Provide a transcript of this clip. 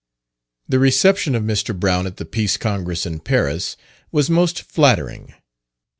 The reception of Mr. Brown at the Peace Congress in Paris was most flattering.